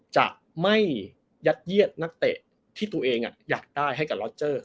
จะไม่ยัดเยียดนักเตะที่ตัวเองอยากได้ให้กับล็อเจอร์